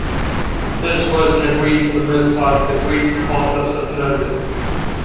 This version agrees for the most part with the Greek Apocalypse of Moses.